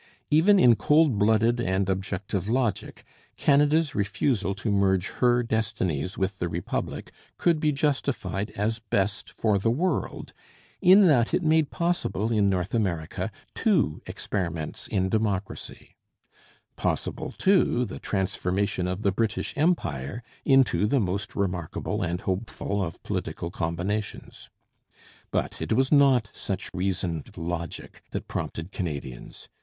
Even in cold blooded and objective logic, Canada's refusal to merge her destinies with the Republic could be justified as best for the world, in that it made possible in North America two experiments in democracy; possible, too, the transformation of the British Empire into the most remarkable and hopeful of political combinations. But it was not such reasoned logic that prompted Canadians.